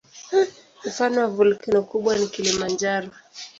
Mfano wa volkeno kubwa ni Kilimanjaro.